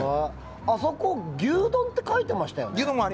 あそこ、牛丼って書いてましたよね。